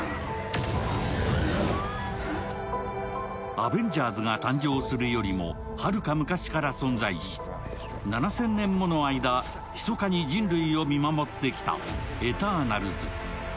アベンジャーズが誕生するよりも、はるか昔から存在し、７０００年もの間でひそかに人類を見守ってきたエターナルズ。